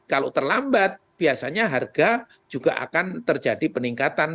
kalau terlambat biasanya harga juga akan terjadi peningkatan